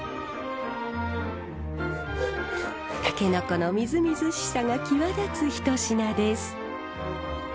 タケノコのみずみずしさが際立つ一品です。